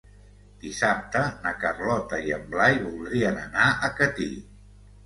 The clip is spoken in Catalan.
Dissabte na Carlota i en Blai voldrien anar a Catí.